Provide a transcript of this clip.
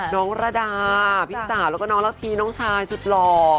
ระดาพี่สาวแล้วก็น้องระพีน้องชายสุดหล่อ